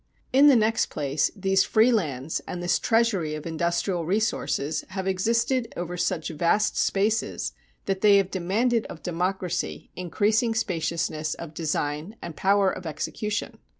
In the next place, these free lands and this treasury of industrial resources have existed over such vast spaces that they have demanded of democracy increasing spaciousness of design and power of execution.